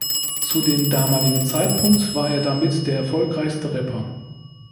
Zu dem damaligen Zeitpunkt war er damit der erfolgreichste Rapper.